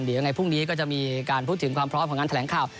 เดี๋ยวยังไงพรุ่งนี้ก็จะมีการพูดถึงความพร้อมของงานแถลงข่าว